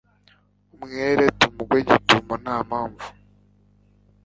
umwere tumugwe gitumo nta mpamvu